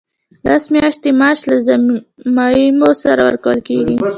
لس میاشتې معاش له ضمایمو سره ورکول کیږي.